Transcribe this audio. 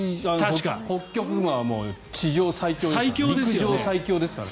ホッキョクグマは地上最強ですから。